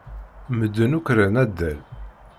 Medden akk ran addal.